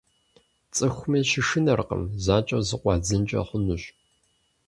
ЦӀыхуми щышынэркъым – занщӀэу зыкъуадзынкӀэ хъунущ.